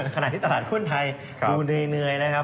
ขนาดที่ตลาดขุนไทยดูหน่วยนะครับ